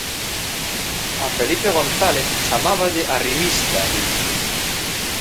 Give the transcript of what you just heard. "A Felipe González chamáballe arribista", di.